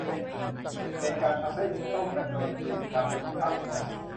เหตุการณ์ทำให้ต้องผจญเวรกรรมไปอีกพักใหญ่